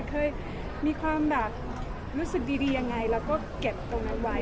เคยมีความแบบรู้สึกดียังไงเราก็เก็บตรงนั้นไว้